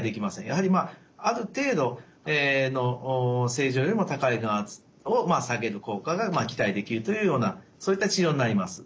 やはりある程度の正常よりも高い眼圧を下げる効果が期待できるというようなそういった治療になります。